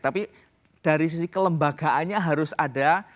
tapi dari sisi kelembagaannya harus ada